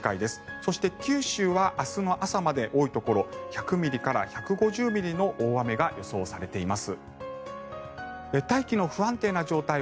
そして、九州は明日の朝まで多いところ１００ミリから１５０ミリの大雨が予想されています。